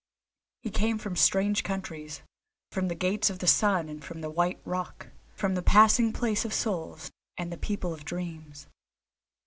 He came from strange countries, from the Gates of the Sun and from White Rock, from the Passing Place of Souls and the people of Dreams.